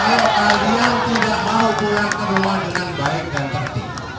kalau kalian tidak mau pulang keluar dengan baik dan tertik